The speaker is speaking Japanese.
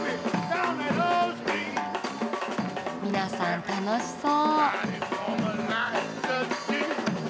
皆さん楽しそう。